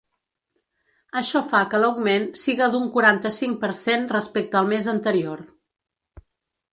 Això fa que l’augment siga d’un quaranta-cinc per cent respecte al mes anterior.